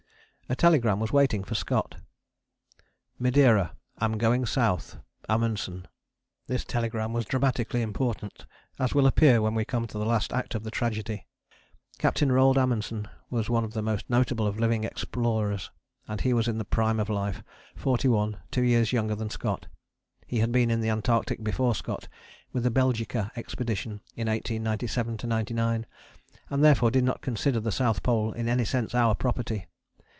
A telegram was waiting for Scott: "Madeira. Am going South. AMUNDSEN." This telegram was dramatically important, as will appear when we come to the last act of the tragedy. Captain Roald Amundsen was one of the most notable of living explorers, and was in the prime of life forty one, two years younger than Scott. He had been in the Antarctic before Scott, with the Belgica Expedition in 1897 99, and therefore did not consider the South Pole in any sense our property.